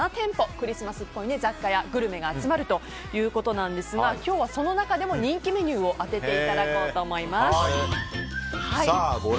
クリスマスっぽい雑貨やグルメが集まるということですが今日はその中でも人気メニューを当てていただこうと思います。